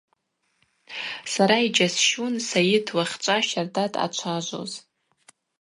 Сара йджьасщун Сайыт уахьчӏва щарда дъачважвуз.